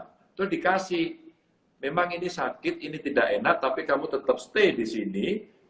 itu dikasih memang ini sakit ini tidak enak tapi kamu tetap stay di sini